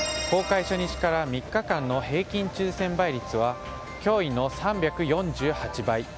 公開初日から３日間の平均抽選倍率は驚異の３４８倍。